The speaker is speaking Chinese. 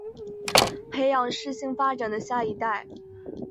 培养适性发展的下一代